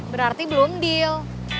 berarti belum deal